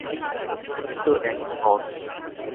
তিনি তো এক নন।